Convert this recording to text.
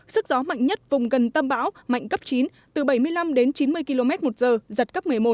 sức gió mạnh nhất vùng gần tâm bão mạnh cấp chín từ bảy mươi năm đến chín mươi km một giờ giật cấp một mươi một